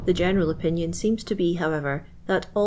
*n^ral opinion seems to bo, however, that ill!